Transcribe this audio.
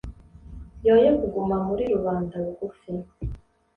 yoye kuguma muri rubanda rugufi